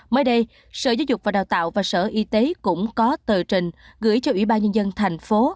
mới đây sở giáo dục và đào tạo và sở y tế cũng có tờ trình gửi cho ủy ban nhân dân thành phố